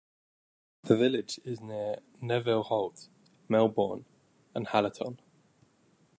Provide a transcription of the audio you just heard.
The village is near Nevill Holt, Medbourne and Hallaton.